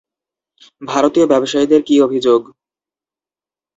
ভারতীয় ব্যবসায়ীদের কি অভিযোগ?